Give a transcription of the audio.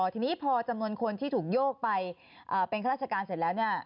ทีนี้พอจำนวนคนที่ถูกโยกไปเป็นข้าราชการเสร็จแล้วเนี่ย